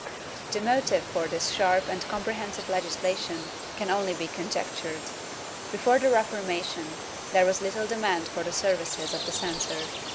^ The motive for this sharp and comprehensive legislation can only be conjectured. Before the Reformation there was little demand for the services of the censor.